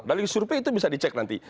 dari survei itu bisa dicek nanti